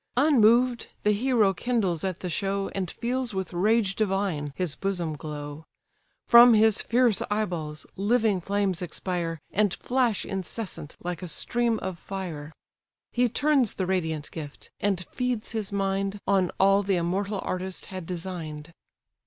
Unmoved the hero kindles at the show, And feels with rage divine his bosom glow; From his fierce eyeballs living flames expire, And flash incessant like a stream of fire: He turns the radiant gift: and feeds his mind On all the immortal artist had design'd.